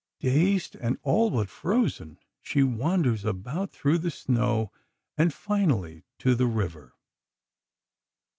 Dazed and all but frozen, she wanders about through the snow, and finally to the river.